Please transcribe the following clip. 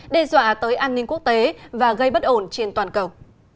đe dọa tới an ninh quốc tế và gây bất ổn trên toàn cầu